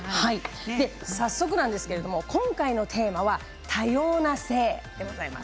早速なんですけれども今回のテーマは多様な性でございます。